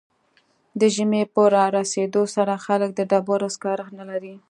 د ژمي په رارسیدو سره خلک د ډبرو سکاره نلري